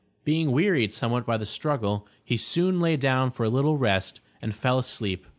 Being wearied somewhat by the struggle, he soon lay down for a little rest and fell asleep.